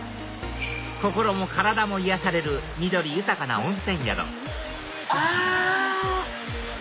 心も体も癒やされる緑豊かな温泉宿あ！